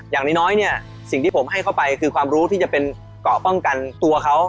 อย่างน้อยเนี่ยสิ่งที่ผมให้เข้าไปคือความรู้ที่จะเป็นเกาะป้องกันตัวเขา